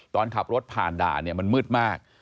ตอนขับรถผ่านด่านเนี่ยมันมืดมาก